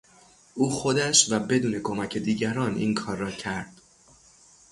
او خودش و بدون کمک دیگران این کار را کرد.